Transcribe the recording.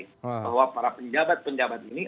bahwa para penjabat penjabat ini